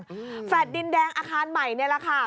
แฟลต์ดินแดงอาคารใหม่นี่แหละค่ะ